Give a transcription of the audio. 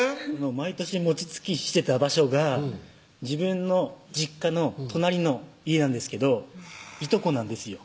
毎年餅つきしてた場所が自分の実家の隣の家なんですけどいとこなんですよ